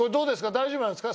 大丈夫なんですか？